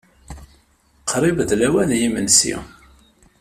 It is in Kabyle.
Qrib d lawan n yimensi.